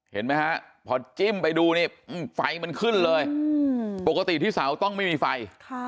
เห็นไหมฮะพอจิ้มไปดูนี่ไฟมันขึ้นเลยปกติที่เสาต้องไม่มีไฟ